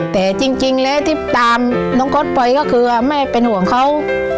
แต่จริงจริงเลยที่ตามน้องก็ไปก็คือว่าแม่เป็นห่วงเขา